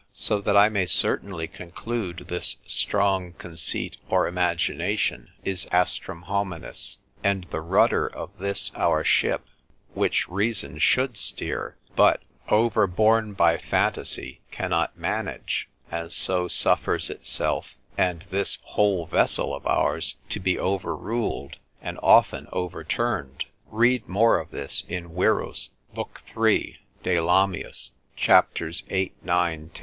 So that I may certainly conclude this strong conceit or imagination is astrum hominis, and the rudder of this our ship, which reason should steer, but, overborne by phantasy, cannot manage, and so suffers itself, and this whole vessel of ours to be overruled, and often overturned. Read more of this in Wierus, l. 3. de Lamiis, c. 8, 9, 10.